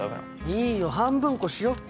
いいよ半分こしよ。